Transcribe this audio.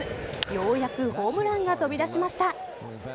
ようやくホームランが飛び出しました。